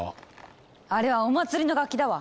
あれはお祭りの楽器だわ。